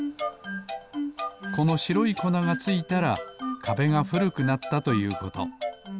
このしろいこながついたらかべがふるくなったということ。